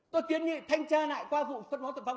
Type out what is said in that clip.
tôi kiến nghị thanh tra lại qua vụ phân bón tập phong